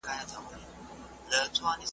نه له شیخه څوک ډاریږي نه غړومبی د محتسب وي `